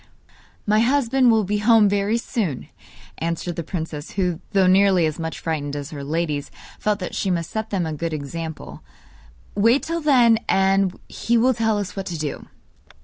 'My husband will be home very soon,' answered the princess who, though nearly as much frightened as her ladies, felt that she must set them a good example. 'Wait till then, and he will tell us what to do.